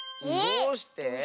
どうして？